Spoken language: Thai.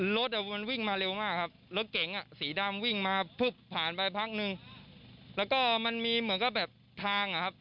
แล้วก็มันมีเหมือนก็แบบทางอ่ะครับ